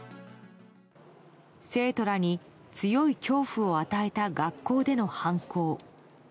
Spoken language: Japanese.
生徒らに強い恐怖を与えた学校での犯行。